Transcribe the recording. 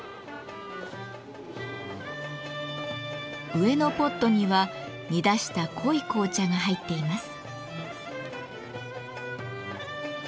上のポットには煮出した濃い紅茶が入っています。